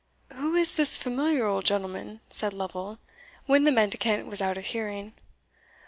"Who is this familiar old gentleman?" said Lovel, when the mendicant was out of hearing.